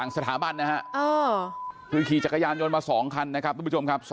สถาบันนะฮะคือขี่จักรยานยนต์มา๒คันนะครับทุกผู้ชมครับ